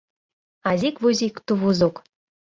Азик-вузик тувузук